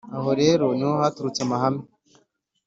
Aho rero ni ho haturutse amahame